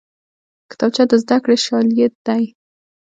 کتابچه د زدکړې شاليد دی